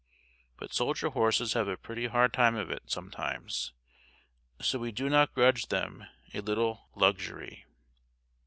But soldier horses have a pretty hard time of it, sometimes, so we do not grudge them a little luxury.